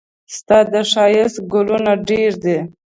ستا د ښايست ګلونه ډېر دي.